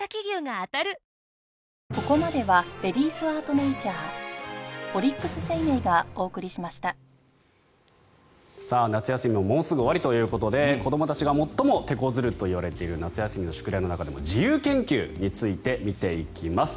今日のショーアップは好きなことを突き詰めたら夏休みももうすぐ終わりということで子どもたちが最もてこずるといわれている夏休みの宿題の中でも自由研究について見ていきます。